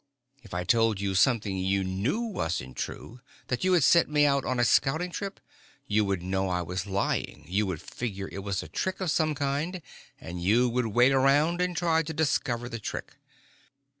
If I told you something you knew wasn't true, that you had sent me out on a scouting trip, you would know I was lying, you would figure it was a trick of some kind, and you would wait around and try to discover the trick.